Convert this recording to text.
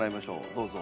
どうぞ。